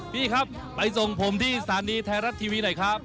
พี่ครับไปส่งผมที่สถานีไทยรัฐทีวีหน่อยครับ